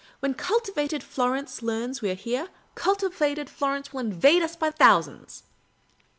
When cultivated Florence learns we 're here, cultivated Florence will invade us by thousands."